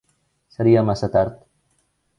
Seria massa tard.